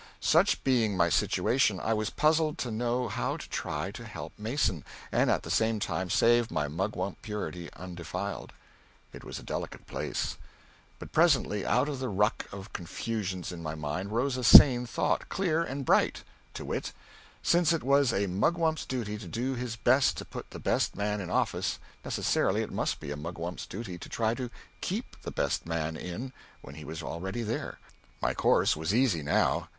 Such being my situation, I was puzzled to know how to try to help Mason, and, at the same time, save my mugwump purity undefiled. It was a delicate place. But presently, out of the ruck of confusions in my mind, rose a sane thought, clear and bright to wit: since it was a mugwump's duty to do his best to put the beet man in office, necessarily it must be a mugwump's duty to try to keep the best man in when he was already there. My course was easy now.